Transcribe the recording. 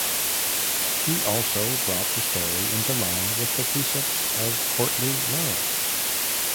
He also brought the story into line with the precepts of courtly love.